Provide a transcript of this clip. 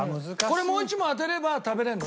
これもう一問当てれば食べられるの？